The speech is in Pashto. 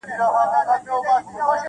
د ګوربت او د بازانو به مېله سوه-